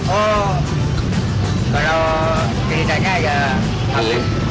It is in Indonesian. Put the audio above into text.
oh kalau ceritanya ya ini